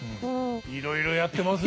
いろいろやってます。